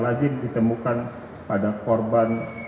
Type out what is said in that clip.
lazim ditemukan pada korban